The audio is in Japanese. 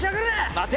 待て！